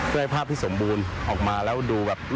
เพื่อให้ภาพที่สมบูรณ์ออกมาแล้วดูแบบ